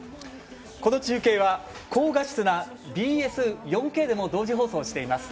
この中継は高画質なＢＳ４Ｋでも同時放送しています。